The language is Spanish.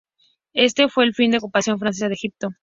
Este fue el fin de la ocupación francesa de Egipto.